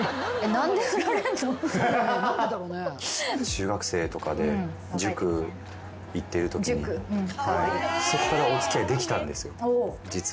中学生とかで塾行ってるときにそこからお付き合いできたんですよ実は。